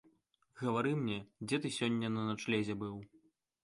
Гавары мне, дзе ты сягоння на начлезе быў?